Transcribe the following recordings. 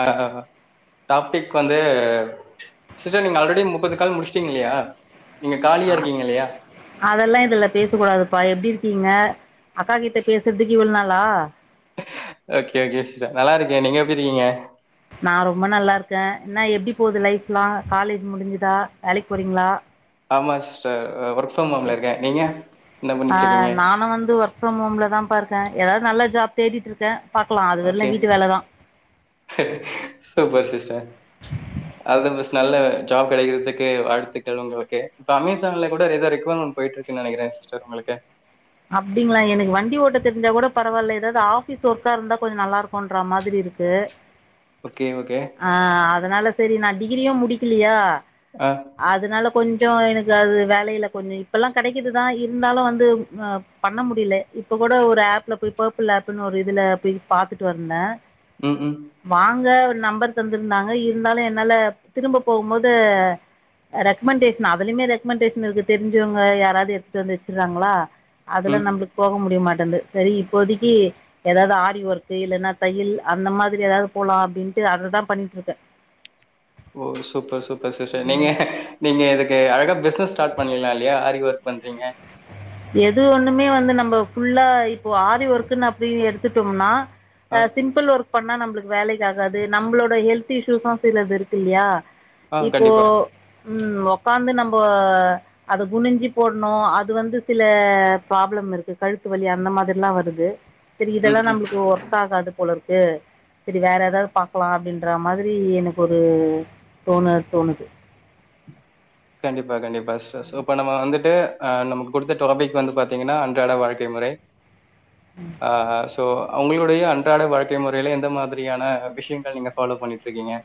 ஆ அ டாப்பிக் வந்து சிஸ்ட்டர் நீங்க ஆல்ரெடி முப்பது கால் முடிச்சிட்டீங்க இல்லையா நீங்க காலியா அ இருக்கீங்க இல்லையா அதெல்லா இதுல பேச கூடாதுப்பா எப்படி இருக்கீங்க அக்கா கிட்ட பேசர்த்துக்கு இவ்ளோ நாள லா ஓக்கே ஓக்கே சிஸ்டர் நல்லா இருக்கேன் நீங்க எப்டியிருக்கீங்க நா ரொம்ப நல்லா இருக்கேன் என்னா எப்படி போகுது லைப்லா காலேஜ் முடிஞ்சுதா வேலைக்கு போறீங்களா ஆமா சிஸ்டர் ஒர் ஆ இருக்கீங்க நானு வந்து ஒர்க்பிரம் ஹோம்ல தா பா இருக்க ஏதாவது நல்ல ஜாப் தேடிட்டுருக்கே okay super sister all the best நல்ல ஜாப் கிடைக்கிறதுக்கு வாழ்த்துக்கள் உங்களுக்கு இப்ப அமேசான்ல கூட ஏதோ ரெக்யூர்மென்ட் போயிட்டு இருக்குன்னு நினைக்கிறேன் சிஸ்ட்டர் உங்களுக்கு அப்டிங்களா எனக்கு வண்டி ஓட்ட தெரிஞ்சா கூட பரவாயில்ல ஏதாவது ஆபீஸ் ஒர்க்கா இருந்தா கொஞ்சம் நல்லா இருக்கும்ன்ற மாதிரி இருக்கு ஓகே ஓகே அ அதனால செரி நா டிகிரியு முடிக்கிலியா ஆ அதுனால கொஞ்ச எனக்கு அது வேலைல கொஞ்ச இப்பல்லா கெடைக்குதுதா இருந்தாலு வந்து அ பண்ண முடியல இப்போ கூட ஒரு ஆப்ல போய் பர்பிள் ஆப்புன்னு ஒரு இதில போய் பாத்துட்டு வந்தே ம் ம் வாங்க நம்பர் தந்திருந்தாங்க இருந்தாலு என்னால திரும்ப போகும்போது ரெக்கமெண்டேஷன் அதுலயுமே ரெக்மெண்டேஷன் இருக்கு தெரிஞ்சவங்க யாராவது எடுத்துட்டு வந்து வச்சுறாங்களா அதுல ம் நம்மளுக்கு போக முடியமாட் சரி இப்போதிக்கு ஏதாவது ஆரி ஒர்க்கு இல்லைன்னா தையல் அந்த மாரி ஏதாவது போலா அப்டின்ட்டு அததா பண்ணிட்டு இருக்கே ஓ சூப்பர் சூப்பர் சிஸ்டர் நீங்க நீங்க இதுக்கு அழகா பிசினஸ் ஸ்டார்ட் பண்ணலா இல்லையா ஆரி ஒர்க் பண்றீங்க எது ஒன்னுமே வந்து நம்ம ஃபுல்லா இப்போ ஆரி ஒர்க்ன்னு அப்டி எடுத்துட்டோம்னா ஆ அ சிம்பல் ஓர்க் பண்ணா நம்மளுக்கு வேலைக்கு ஆகாது நம்மளோட ஹெல்த் இஷ்யூஸ்ஸும் சிலது இருக்கு இல்லையா ஆ இப்போ கண்டிப்பா உம் உக்காந்து நம்ம இப்போ அது குணிஞ்சி போடணும் அது வந்து சில ப்ராப்ளம் இருக்கு கழுத்து வலி அந்த மாதிரிலாம் வருது சரி ம் இதெல்லாம் ம் நம்மளுக்கு ஒர்க் ஆகாது போல இருக்கும் சரி வேற ஏதாவது பாக்கலாம் அப்படின்ற மாதிரி எனக்கு ஒரு தோணு தோணுது கண்டிப்பா கண்டிப்பா இப்ப நம வந்துட்டு ஹ் நமக்கு கொடுத்த டாபிக்கு வந்து பாத்தீங்கன்னா அன்றாட வாழ்க்கை முறை ம் ஆஹ்ஹ் ஸோ உங்களுடைய அன்றாட வாழ்க்கை முறையில எந்த மாதிரியான விஷயங்கள் நீங்க ஃபாலோ பண்ணிட்டு இருக்கீங்கோ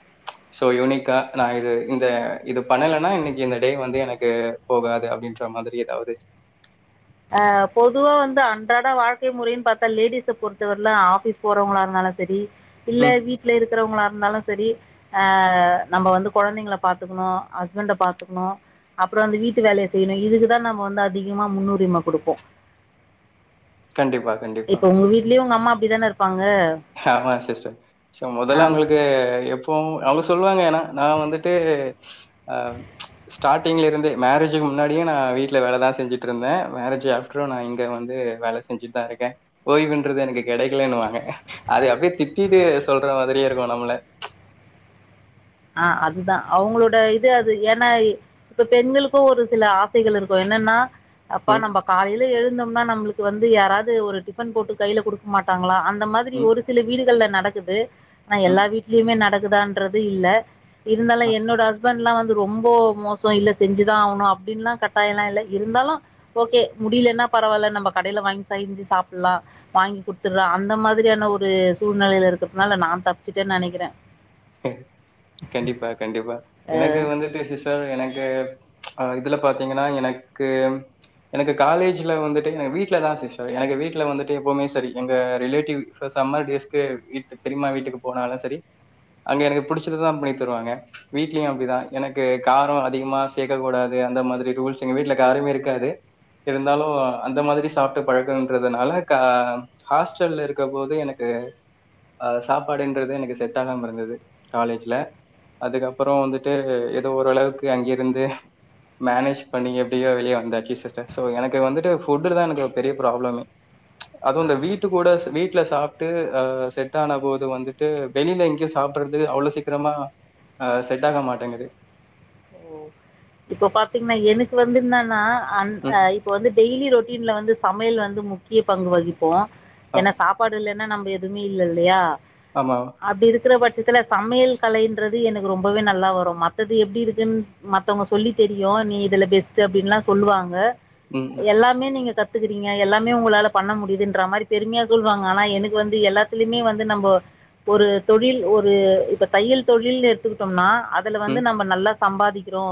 யுனிக்கா ந இது இந்த இது பண்ணலனா இன்னை இந்த டே வந்து எனக்கு போகாது அப்படின்ற மாதிரி ஏதாவது ஆஹ் பொதுவா வந்து அன்றாட வாழ்க்கை முறைன்னு பார்த்தா லேடிஸ பொறுத்தவரலும் ஆபீஸ் போறவங்களா இருந்தாலும் சரி இல்ல ம் வீட்ல இருக்கிறவங்களா இருந்தாலும் சரிஹ நம்ம வந்து குழந்தைங்க பார்த்துக்கணும் ஹஸ்பண்ட பார்த்துக்கணும் அப்புறம் வந்து வீட்டு வேலையை செய்யணும் இதுக்குதான் நம்ம வந்து அதிகமா முன்னுரிமை கொடுப்போம் கண்டிப்பா கண்டிப்பா இப்ப உங்க வீட்லயே உங்க அம்மா அப்படிதான இருப்பாங்க ஆமா சிஸ்டர் சோ ஆ முதல்ல அவங்களுக்கு எ இப்போ அவங்க சொல்லுவாங்க ஏன்னா நான் வந்துட்டு ஆஹ் ஸ்டார்ட்டிங்ல இருந்தே மேரேஜுக்கு முன்னாடியே நான் வீட்டுல வேலைதான் செஞ்சுட்டு இருந்தேன் மேரேஜ் ஆப்டரும் நான் இங்க வந்து வேலை செஞ்சுட்டு தான் இருக்கேன் ஓய்வுன்றது எனக்கு கிடைக்கலன்னுவாங்க அது அப்படியே திட்டிட்டு சொல்ற மாதிரியே இருக்கும் நம்மள ஆஹ் அதுதான் அவங்களோட இது அது ஏன்னா இப்ப பெண்களுக்கும் ஒரு சில ஆசைகள் இருக்கும் என்னன்னா அப்பா ம், நம்ம காலையில எழுந்த னா நம்மளுக்கு வந்து யாராவது ஒரு டிஃபன் போட்டு கையில கொடுக்க மாட்டாங்களா அந்த அந்த மாதிரி ம், ஒரு சில வீடுகள்ல நடக்க நடக்குது நா ம். எல்லா வீட்லியுமெ நடக் குதான்றது இல்லே இருந்தாலு என்னோட ஹஸ்பண்லா வந் தூ ரொம்போ மோசோ இல்லெ செஞ்சிதா ஆவுணு அப்டின்ல்லா கட்டாயால்லா இல்லை இருந்தாலு ஓகே முடிலெனா பரவால்லெ நம்பொ கடலெ வாங் செய்ஞ்சி சாப்புல்லா வாங்கி குத்துற்றா அந்தம் மாதிரியான ஒரூ சூழ்நிலையிலெருக்கத்னாலெ நா தப்ச்சிட்டேன் நெனகிறே ஹ கண்டிப்பா கண்டிப்பா எனக்கு வந்துட்டு சிஸ்டர் எனக்கூ ஆஹ் இதுல பாத்தீங்கினா எனக்கூ எனக்கு காலேஜ்லெ வந்துட்டு எனக்கு வீட்டுலெதாசு ஷரி எனக்கு வீட்ல வந்துட்டு எப்போமெ சரி எங்கே ரிலேட்டிவ் சொ சம்மர் டேஸ்க்கு வீட்டு பெரிம்மா வீட்டுக்கு போனாலு சரி அங்கெ எனக்கு புடிச்சதுதா பணித் தருவாங்கெ வீட்லியு அப்டிதா எனக்கு காரோ அதிகமா சேக்கெ கூடாது அந்த மாதிரி டூல்ஸ் எங்க வீட்லெ காரமேருக்காது இருந்தாலூ அந்த மாதிரி சாப்ட்டு பழக்கன்றதுனாலெ கா ஹாஸ்டல்லெருக்கெ போது எனக்கு ஆஹ் சாப்பாடுன்றது எனக்கு செட் ஆகாமருந்தது காலேஜ்லெ அதுக்கப்புறோ வந்துட்டூ எதோரளவுக்கு அங்கேருந்து மேனேஜ் பண்ணி எப்டியொ வெளியெ வந்தாச்சி சிஸ்டர் சோ எனக்கு வந்துட்டு ஃபுட்டுல தா எனக்கு பெரியெ ப்ராப்ளமே அதுவு இந்தெ வீட்டு கூடஸ் வீட் ட்ல சாப்ட்டூ செட்டான போது வந்துட்டூ வெளிலெங்கியு சாப் பறது அவுளோ சீக்கிரமா அ செட்டாக மாட்டேங்குது ஓ இப்போ பாத்தீங்னா எனக்கு வந்துந்தின்னானா அன் ம். இப்பொ வந்து டெயீலி ரோட் இத்லவந்து சமயல் வந்து முக்கிய பங்கு வகிப் போ ஆ. என்ன சாப்பாடுலெ னா நம்பெதுவுமேல்லல்லயா ஆமா. அப்டிருக்கிற பட்ச் த்துல சம்மியல் கலைன்றது எனுக் ரொம்போவே நல்லா வரு மத்தது எப்டிருக் தின் மத்தவொங்க சொல்லி தெரிய்யூ நீ இதுலெ பெஸ்ட் அப்டின்லா சொல்லுவாங்கெ ம், ம், எல்லாமே நீங்கெ கத் துக்கறீங்கெ எல்லாமே உங்களாலெ பண்ண முடியுதுன்ற மாரி பெருமியா சொல்வாங்கெ அனா எனுக் வந்து எல்லாத்திலெமே வந்து நம்போ ஒரு தொழில் ஒரு இப்பொ தையல் தொழில் எடுத்துகிட்டோம்னா அதுல வந்து ம். நம்ப நல்லா சம்பாதிக்கிறோ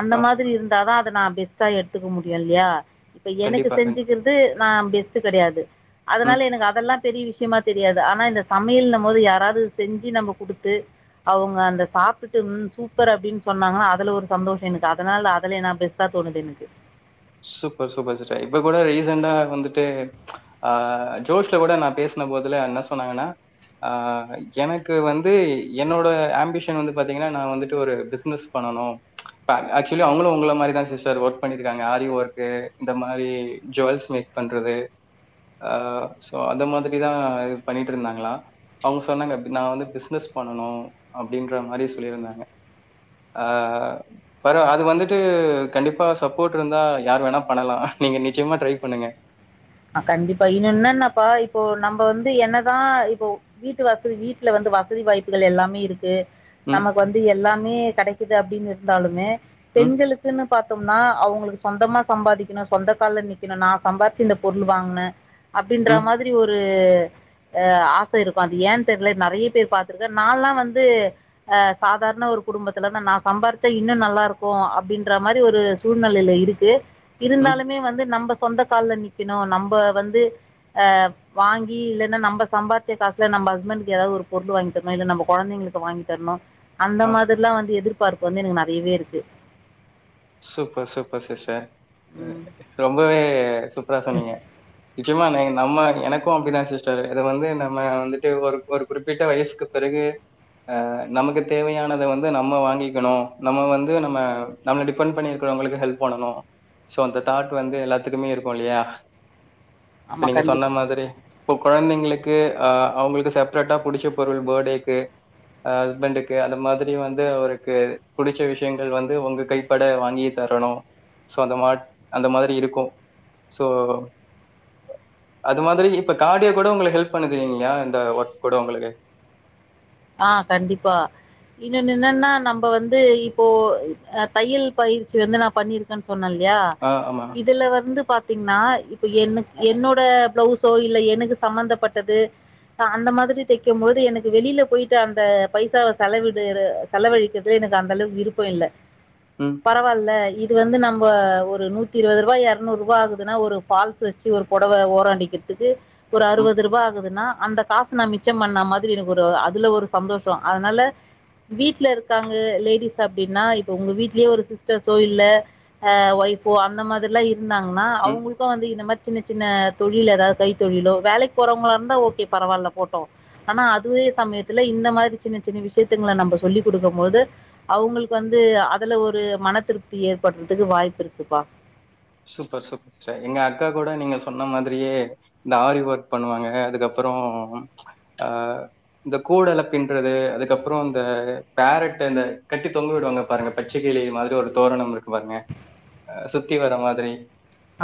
அந்த ஆ. மாதிரிந்தாதா நா பெஸ்ட்டா எடுத்துக்கு முடியு இல்லியா இப்ப எனக்கு கண்டிப்பா, கண்டிப்பா. செஞ்சிகிற்தூ நா பெஸ்ட் கெடயாது ம். அதனால எனுக்கு அதெல்லா பெரீ விஷ் ஷிமா தெரியாது அனா இந்த சமியல்ந போது யாராது செஞ்சு நம்ப குடுத்து அவுங்க அந்தெ சாப்டுட்டு ம் சூப்பர் அப்டீன் சொன்னாங்கனா அதுல ஒரு சந்தோஷோ எனுக்கு அதனாலெ அதுலே நா பெஸ்ட்டா தோணுதென்க்கு சூப்பர் சூப்பர் சிஸ்டர் இப்பொ கூட ரீசன்டா வந்துட்டு ஆஹ் ஜோஷ்லெ கூட நா பேஸ்னெ போதுலென்னா சொன்னாங்கனா ஆஹ் எனக்கு வந்தூ என்னோடே ஆம்பிஷன் வந்து பாத்தீங்கினா நா வந்துட்டு ஒரு பிஸ்னஸ் பண்ணனூ ஆக்சுலி அவுங்குளு உங்கள மாதிரிதா சிஸ்டர் ஒர்க் பண்ணிடுருக்காங் கஆரிஒர்க்கூ இந்தெ மாரீ ஜொல்ஸ்மேக் பண்றது ஆஹ் சோ அந்த மாதிரிதா இதுபணிட்டுருந்தாங்களா அவுங் சொன்னாங்கெ நா வந்து பிஸ்னஸ் பண்ணனூ அப்டீன்றமாரி சொல்லிருந்தாங்கெ ஆஹ் பரவ் அது வந்துட்டூ கண்டிப்பா சப் போட்டுருந்தா யாரு வேணா பண்ணலா நீங்கெ நிச்சிமா ட்ரைப் பண்ணுங்கெ ஹ் கண்டிப்பா இனுன்னன்னாப்பா இபோ நம்ப வந்து என்னதா இபோ வீட்டு வசதி வீட்லெ வந்து வசதி வாய்ப்புகள் எல்லாமேருக்கு ம், நமக் வந்து எல்லாம் மே கிடைக்குது அப்படின்னு இருந்தாலுமே ம், பெண்களுக்குன்னு பாத் தும்னா அவங்களுக்கு சொந்தமா சம்பாதிக்கணு சொந்த கால நிக்கணு நான் சம்பாரிச்சு இந்த பொருள் வாங்கன அப்புடின்ற ம், மாதிரி ஒரு அஹ் ஆச இருக்கு அது ஏன் தெரில நிறைய பேர் பா்த்திருக்கேன் நான்ல்லா வந்து ஆஹ் சாதாரண ஒரு குடும்பத்துலதான் நான் சம்பாதிச்சா இன்னு நல்லா இருக்கு அப்படின்ற மாரி ஒரு சூழ்நிலையில இருக்கு ம். இருந்தாலுமே வந்து நம்ப சொந்த கால்ல நிப் கினு நம்ப வந்து அஹ் வாங்கி இல்லைன்னா நம்ப சம்பாரிச்ச காசுல நம்ப ஹஸ்பண்டக்கு ஏதாவது ஒரு பொருள் வாங்கி தரணு இல்ல நம்ம குழந்தைங்களுக்கு வாங்கி தரணு அந்த ஆ மாதிரிலா வந்து எதிர்பார்ப் பு வந்து எனக்கு நறையவே இருக்கு சூப்பர் சூப்பர் சிஸ்டர் ம் ரொம்பவே சூப்பரா சொன்னீங்க நிச்சயமா நீங் நம்ம எனக்கு அப்படிதான் சிஸ்டர் இது வந்து நம்ம வந்துட்டு ஒரு ஒரு குறிப்பிட்ட வயசுக்கு பிறகு ஹ நமக்கு தேவையானத வந்து நம்ம வாங்கிக்கணு நம்ம வந்து நம்ம நம்மள டிபெ ன் பண்ணி இருக்கவங்களுக்கு ஹெல்ப் பண்ணு சோ அந்த தாட் வந்து எல்லாத்துக்குமே இருக்கு இல்லையா இப்ப ஆமா நீங்க சொன்ன கண்டிப்பா மாதிரி இப்போ குழந்தைங்களுக்கு அவங்களுக்கு செப்ரேட்டாக பிடிச்ச பொருள் பேர்த்டேக்கு ஹஸ்பண்டுக்கு அது மாதிரி வந்து அவருக்கு பிடிச்ச விஷயங்கள் வந்து உங்க கை பட வாங்கி தரணு சோ அந்த மா அந்த மாதிரி இருக்கு சோ அது மாதிரி இப்ப கார்டியோ கூட உங்குளுக்கு ஹெல்ப் பண்ணுது இல்லையா இந்த ஒர்க் கூட உங்களுக்கு ஆஹ் கண்டிப்பா இன்னுன்னு என்னன்னா நம்ம வந்து இப்போ தையல் பயிற்சி வந்து நான் பண்ணிருக்கேன்னு சொ சொன்னயில்லையா ஆ ஆமா. இதுல வந்து பாத் த்தீங்னா இப்ப என்னோட பிளவுஸோ இல்ல எனக்கு சம்பந்தப்பட்டது அந்த மாதிரி தெக்கும்போது எனக்கு வெளியில போயு அந்த பைசாவ செலவிடு செலவழிக்கிறதுல எனக்கு அந்த அளவு விருப்பம் இல்ல ம், பரவால இ இது வந்து நம்ம ஒரு நூத்தி இருபது ரூபாய் இரநூறு ரூபா ஆகுதுன்னா ஒரு ஃபால்ஸ் வச்சு ஒரு புடவ ஓராடிக்கிறதுக்கு ஒரு ம், அறுபது ரூபா ஆகுதுன்னா அந்த காசு நான் மிச்சம் பண்ண மாதிரி எனக்கு ஒரு அதுல ஒரு சந்தோஷோ அதனால வீட்டல இருக்காங்க லேடிஸ் அப்படின்னா இப்ப உங்க வீட்லயே ஒரு சிஸ்டர் சோ இல்ல வைஃப்போ அந்த மாதிரிலா இருந்தாங்கன்னா ம். அவுங்களுக்கு வந்து இந்த மாரி சின்ன சின்ன தொழில் எதாவது கைத்தொழிலோ வேலைக்கு போறவங்களா இருந்தா ஓகே பரவால போட்டோ ஆனா அதுவே சமயத் த்துல இந்த மாரி சின்ன சின்ன விஷயத்தங்களை நம்ம சொல்லி் குடுக்கும் போது அவங்களுக்கு வந்து அதுல ஒரு மன திருப்தி ஏற்படுறதுக்கு வாய்ப்பு இருக்குப்பா சூப்பர் சூப்பர் சிஸ்டர் எங்க அக்கா கூட நீங்க சொன்ன மாதிரியே இந்த ஆரி ஒர்க் பண்ணுவாங்க அதுக்கப்புறோ அஹ் இந்த கூடல பின்றது அதுக்கப்புறோ இந்த பேரட் இந்த கட்டி தொங்க விடுவாங்க பாருங்க பச்ச கிளி மாரி ஒரு தோரண இருக்கு பாருங்க ஹ் சுத்தி வர மாரி சேரி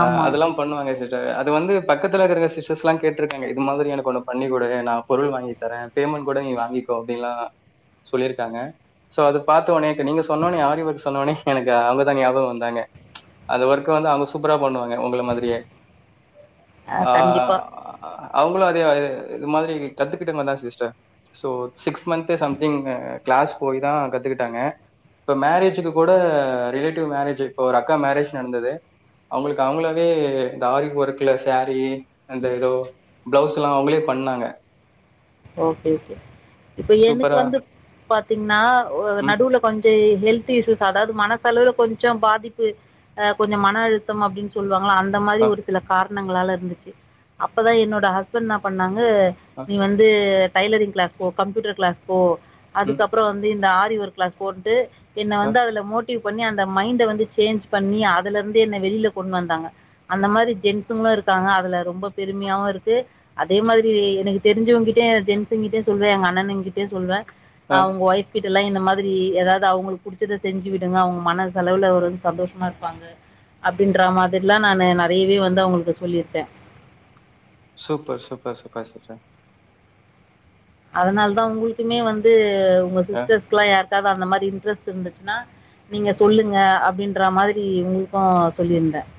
அஹ் ஆமா அதெல்லாம் பண்ணுவாங்க சிஸ் அது வந்து பக்கத்துல இருக்குற சிஸ்டர்ஸ் எல்லா கேட்டிருக்காங்க இது மாதிரி எனக்கு ஒன்னு பண்ணி குடு நான் பொருள் வாங்கி தரேன் பேமெண்ட் கூட நீ வாங்கிக்கோ அப்படின்லா சொல்லிருக்காங்க சோ அத பாத்த உடனே இப்ப நீங்க சொன்னோன ஆரி வொர்க் சொன்னோன எனக்கு அவங்க தான் ஞாபகம் வந்தாங்க அது ஒரு வந்து அவங்க சூப்பரா பண்ணுவாங்க உங்கள மாதிரியே அ கண்டிப்பா ஆஹ் அவங்களும் அதேது இது மாதிரி கற்றுக்கிட்டங்க தான் சிஸ்டர் ஸோ சிக்ஸ் மந்த்தே சம்திங் க்ளாஸ் போய் தான் கத்துக்கிட்டாங்க இப்போ மேரேஜுக்கு கூட ரிலேட்டிவ் மேரேஜ் இப்போ ஒரு அக்கா மேரேஜ் நடந்தது அவங்களுக்கு அவங்களாவே இந்த ஆரி ஒர்க்கல சாரீ அந்த ஏதோ பிளவுஸ் எல்லாம் அவங்களே பண்ணாங்க ஓகே ஓகே இப்ப எனக்கு சூப்பரா வந்து பாத்தீங்கன்னா ஒ ம் நடுவுல கொஞ்சம் ஹெல்த் அதாது மன செலவுல கொஞ்சம் பாதிப்பு கொஞ்சம் மன அழுத்தம் அப்டின்னு சொல்லுவாங்க அந்த மாதிரி அ ஒரு சில காரணங்ளா ங்களால இருந்துச்சு அப்பதான் என்னோட ஹஸ்பண்ட் என்ன பண்ணாங்க அ நீ வந் டைலரிங் கிளாஸ் போ கம்ப்யூட்டர் கிளாஸ் போ ம் அதுக்கப்புறம் வந்து இந்த ஆ ஒரு கிளாஸ் போட்டு என்ன அ வந்து அதுல மூட் ந்த பண்ணி அந்த மைன்ட் வந்து சேஞ்ச் பண்ணி அதுல இருந்து என்னை வெளியில கொண்டு வந்தாங்க அந்த மாதிரி ஜென்ஸுங்களும் இருக்காங்க அதுல ரொம்ப பெருமையாவும் இருக்கு அதே மாதிரி எனக்கு தெரிஞ்சவங்கிட்ட க ஜென்ஸு கிட்டே சொல்லேன் எ அண்ணன்கிட்டே சொல்லுவன் அ அவங்க ஒய்ஃப் கிட்ட எல்லாம் இந்த மாதிரி ஏதாவது அவங்களுக்கு புடிச்சதை செஞ்சு விடுங்க அவங்க மன செலவுல ஒரு சந்தோஷமா இருப்பாங்க அப்டின்ற மாதிரில்லாம் நான் நிறையவே வந்து அவங்களுக்கு சொல்லிருக்கேன் சூப்பர் சூப்பர் சூப்பர் சட்ட அதனால தான் உங்களுக்குமே வந்து உங்க அ சிஸ்டர்ஸ்கலாம் யா எதாவது அந்த மாதிரி இன்ட்ரெஸ்ட் இருந்துச்சுன்னா நீங்க சொல்லுங்க அப்படின்ற மாதிரி உங்களுக்கும் சொல்லியிருந்தேன்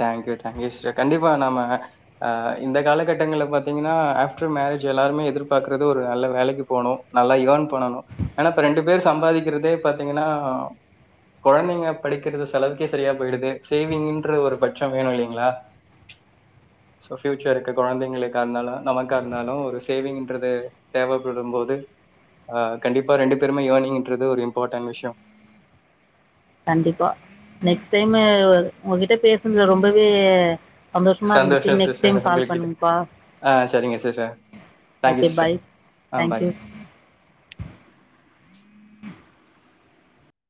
தேங்க்யூ தேங்க்யூ கண்டிப்பா நாம ஆஹ் இந்த காலகட்டங்களல பாத்தீங்கன்னா ஆஃப்டர் மேரேஜ் எல்லாருமே எதிர்பார்க்கறது ஒரு நல்ல வேலைக்கு போகணும் நல்லா யர்ன் பண்ணணும் ஏன்னா இப்ப ரெண்டு பேர் சம்பாதிக்கிறதே பாத்தீங்கன்னா குழந்தைங்க படிக்கிறது செலவுக்கே சரியா போயிடுது சேவிங் பம் வேணும் இல்லங்களா சோ ஃபியூச்சருக்கு குழந்தைங்கக்க இரந்தாலும் நமக்கா இருந்தாலும் ஒரு சேவிங்ரது தேவைப்படும் போது அ கண்டிப்பா ரெண்டு பேருமே எனிங்ரது ஒரு இம்பார்டன்ட் விஷயம் கண்டிப்பா நெக்ஸ்ட் டைம் உங்ககிட்ட பேசுதுல ரொம்பவே சந்தோஷமாக இருந்துச்சு சந்தோஷம் நெக்ஸ்ட் டைம் சிஸர் உங்க கால் கிட்ட பண்ணுங்கப்பா ஆஹ் சரிங்க sister thank you okay bye sister ஆஹ் பாய் தேங்க்யூ